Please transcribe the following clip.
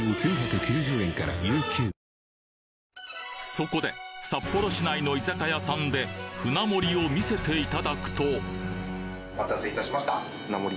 そこで札幌市内の居酒屋さんで舟盛りを見せていただくとお待たせいたしました。